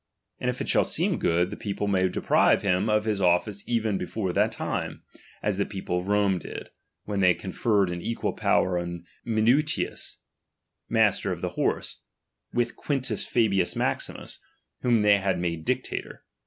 And if it shall seem good, the people may deprive hira of his office even before that time ; as the people of Rome did, when they conferred an equal power on Minutius, master of the horse, with Quintus Fabius Maximus, whom before they had made dictator.